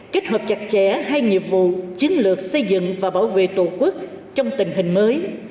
kết hợp chặt chẽ hai nhiệm vụ chiến lược xây dựng và bảo vệ tổ quốc trong tình hình mới